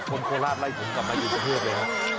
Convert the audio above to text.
คนโคลาดไล่ผมกลับมาอยู่เฉพาะเลยฮะ